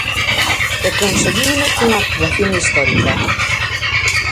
E conseguiuno cunha actuación histórica.